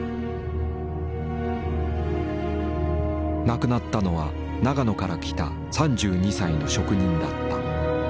亡くなったのは長野から来た３２歳の職人だった。